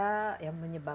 yang bisa yang menyebabkan